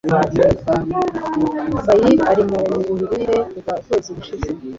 Sally ari mu mirire kuva ukwezi gushize.